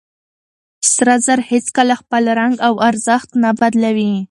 سره زر هيڅکله خپل رنګ او ارزښت نه بدلوي.